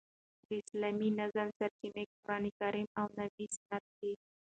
د اسلامي نظام سرچینې قران کریم او نبوي سنت دي.